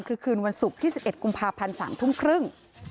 คือคืนวันศุกร์ที่๑๑กุมภาพันธ์๓ทุ่มครึ่ง